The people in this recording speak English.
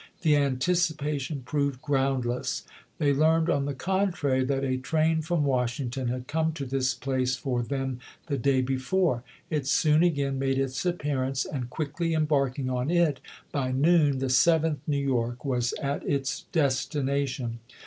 The anticipation proved groundless ; they learned, on the contrary, that a train from Washington had come to this place for them the day before. It soon again made its ap pearance ; and, quickly embarking on it, by noon the Seventh New York was at its destination.